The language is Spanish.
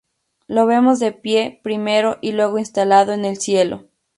Lo vemos de pie primero y luego instalado en el cielo.